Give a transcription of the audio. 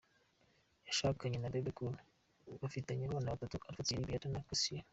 Yashakanye na Bebe Cool, bafitanye abana batatu Alpha Thierry, Beata na Caysa.